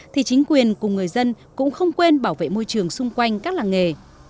thì chính quyền cùng người dân cũng không quên bảo vệ môi trường xung quanh các làng nghề